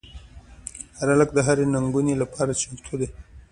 هلک د هرې ننګونې لپاره چمتو دی.